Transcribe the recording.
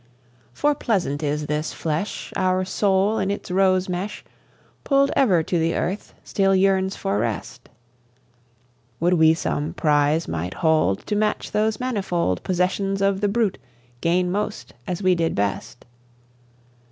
For pleasant is this flesh, Our soul, in its rose mesh Pull'd ever to the earth, still yearns for rest; Would we some prize might hold To match those manifold Possessions of the brute, gain most, as we did best!